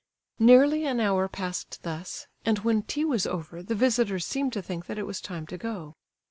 Nearly an hour passed thus, and when tea was over the visitors seemed to think that it was time to go.